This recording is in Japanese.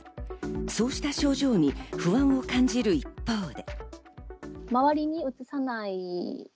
そうした症状に不安を感じる一方で。